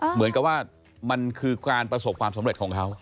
เหมือนกับว่ามันคือการประสบความสำเร็จของเขา